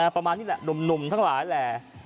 ประมาณนี้แหละหนุ่มทั้งหลายแหล่